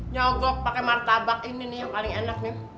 nyogok pakai martabak ini nih yang paling enak nih